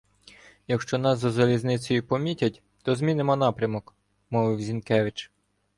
— Якщо нас за залізницею помітять, то змінимо напрямок, — мовив Зінкевич.